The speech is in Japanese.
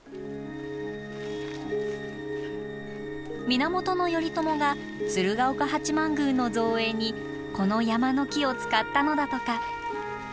源頼朝が鶴岡八幡宮の造営にこの山の木を使ったのだとか。